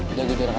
udah tidur apa